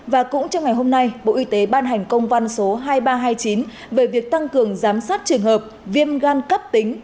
và cũng trong ngày hôm nay bộ y tế ban hành công văn số hai nghìn ba trăm hai mươi chín về việc tăng cường giám sát trường hợp viêm gan cấp tính